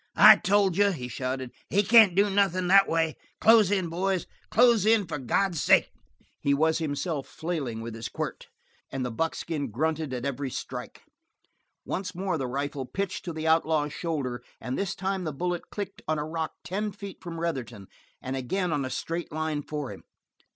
"I told you," he shouted. "He can't do nothin' that way. Close in, boys. Close in for God's sake!" He himself was flailing with his quirt, and the buckskin grunted at every strike. Once more the rifle pitched to the outlaw's shoulder, and this time the bullet clicked on a rock not ten feet from Retherton, and again on a straight line for him.